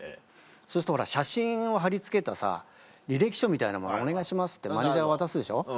そうすると写真を貼り付けたさ履歴書みたいなもの「お願いします」ってマネージャー渡すでしょ？